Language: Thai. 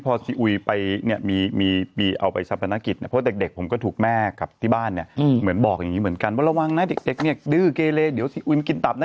พอซีอุยไปเนี่ยมีปีเอาไปชะพนักกิจเนี่ยเพราะเด็กผมก็ถูกแม่กลับที่บ้านเนี่ยเหมือนบอกอย่างนี้เหมือนกันว่าระวังนะเด็กเนี่ยดื้อเกเลเดี๋ยวซีอุยมันกินตับนะ